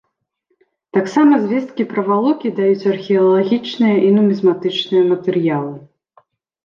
Таксама звесткі пра валокі даюць археалагічныя і нумізматычныя матэрыялы.